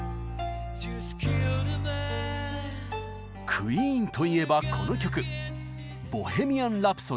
クイーンといえばこの曲「ボヘミアン・ラプソディ」。